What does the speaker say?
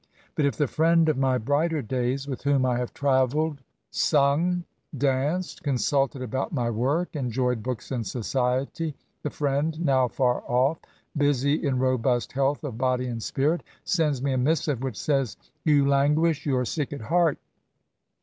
But if the friend of my brighter days— with whom I have travelled, sung, danced, consulted about my work, enjoyed books and society — the friend, now far off, busy in robust health of body and spirit, sends me a missive which says, " You languish — you are sick at heart.